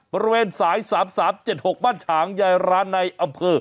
บริเวณสาย๓๓๗๖บ้านฉางยายร้านในอำเภอ